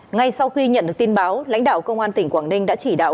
ngay sau khi nhận được tin báo lãnh đạo công an tỉnh quảng ninh đã chỉ đạo